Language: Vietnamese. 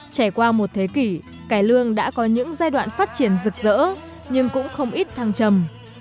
trải qua một thế kỷ cải lương đã có những giai đoạn phát triển rực rỡ nhưng cũng không ít thăng trầm